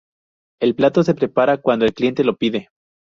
El plato se prepara cuando el cliente lo pide.